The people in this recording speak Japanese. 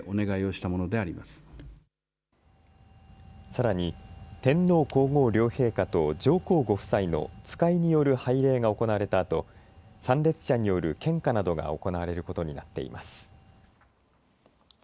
さらに天皇皇后両陛下と上皇ご夫妻の使いによる拝礼が行われたあと、参列者による献花などが行われることになっています。